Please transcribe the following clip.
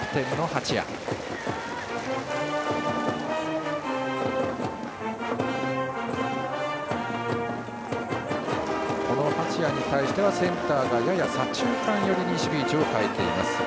この八谷に対してはセンターがやや左中間寄りに守備位置を変えています。